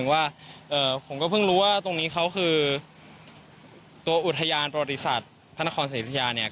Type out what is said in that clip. ว่าผมก็เพิ่งรู้ว่าตรงนี้เขาคือตัวอุทยานประวัติศาสตร์พระนครสิทธิยาเนี่ย